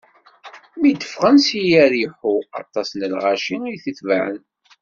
Mi d-ffɣen si Yariḥu, aṭas n lɣaci i t-itebɛen.